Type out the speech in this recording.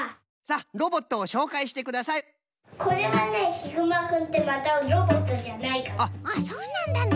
あっそうなんだね。